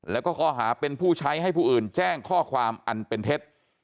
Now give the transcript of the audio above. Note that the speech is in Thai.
แล้วก็ข้อหาเป็นผู้ใช้ให้ผู้อื่นแจ้งข้อความอันเป็นเท็จ